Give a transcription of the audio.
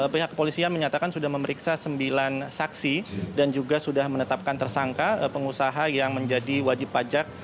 pihak kepolisian menyatakan sudah memeriksa sembilan saksi dan juga sudah menetapkan tersangka pengusaha yang menjadi wajib pajak